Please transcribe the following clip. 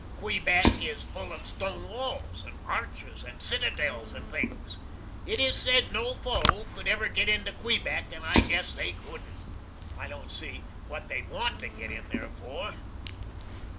Quebeck is full of stone walls, and arches, and citadels and things. It is said no foe could ever git into Quebeck, and I guess they couldn't. And I don't see what they'd WANT to get in there for.